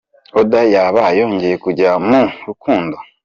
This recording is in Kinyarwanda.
Oda yaba yongeye kujya mu rukundo